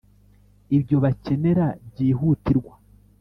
ibyo bakenera byihutirwa